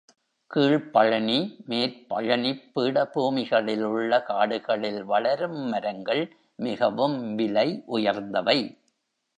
கீழ்ப் பழனி, மேற் பழனிப் பீடபூமிகளிலுள்ள காடுகளில் வளரும் மரங்கள் மிகவும் விலை உயர்ந்தவை.